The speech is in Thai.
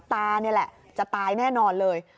ตานี่แหละจะตายแน่นอนเลย